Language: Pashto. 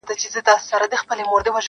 چي قلا د یوه ورور یې آبادیږي-